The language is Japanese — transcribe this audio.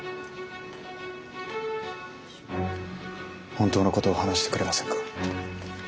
本当のことを話してくれませんか？